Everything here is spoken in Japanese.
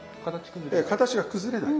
形崩れない。